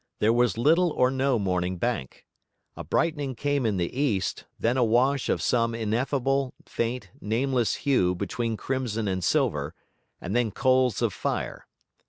There was little or no morning bank. A brightening came in the east; then a wash of some ineffable, faint, nameless hue between crimson and silver; and then coals of fire.